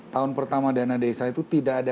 tahun pertama dana desa itu tidak ada